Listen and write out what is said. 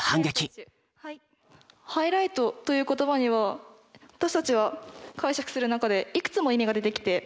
「ハイライト」という言葉には私たちは解釈する中でいくつも意味が出てきて。